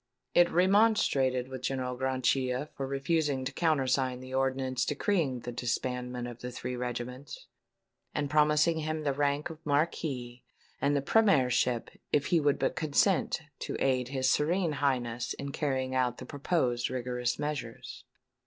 It remonstrated with General Grachia for refusing to countersign the ordinance decreeing the disbandment of the three regiments, and promising him the rank of Marquis and the Premiership if he would but consent to aid his Serene Highness in carrying out the proposed rigorous measures.